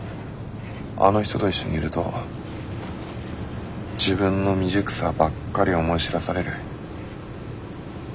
あの人と一緒にいると自分の未熟さばっかり思い知らされる。